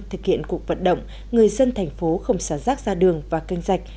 thực hiện cuộc vận động người dân thành phố không xả rác ra đường và canh rạch